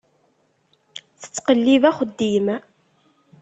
Tettqellib axeddim.